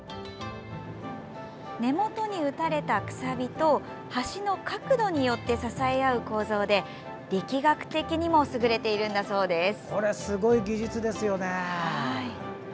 根元に打たれた、くさびと橋の角度によって支え合う構造で力学的にも優れているんだそうです。